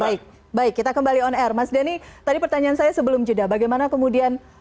baik baik kita kembali on air mas denny tadi pertanyaan saya sebelum jeda bagaimana kemudian